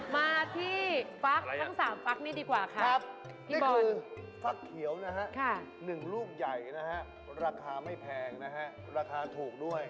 มาที่ฟังสามของปากนี่ดีกว่าครับต่ำคิดหนึ่งรูปใหญ่นะฮะเฮ่ยนะฮะราคาไม่แพงนะฮะราคาถูกด้วย